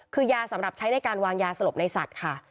คือยาสำหรับใช้ในการวางยาสลบในสัตว์ค่ะ